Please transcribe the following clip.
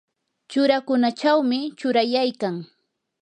churakunachawmi churayaykan.